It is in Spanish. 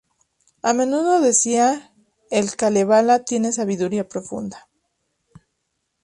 A menudo decía: ""El Kalevala tiene sabiduría profunda"".